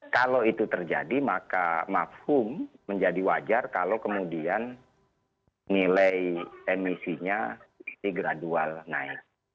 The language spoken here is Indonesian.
kalau itu terjadi maka mafum menjadi wajar kalau kemudian nilai emisinya gradual naik